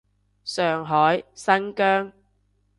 上海，新疆